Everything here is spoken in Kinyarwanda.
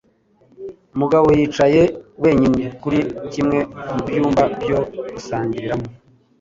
Mugabo yicaye wenyine kuri kimwe mu byumba byo gusangiriramo.